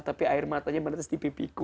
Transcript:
tapi air matanya menetes di pipiku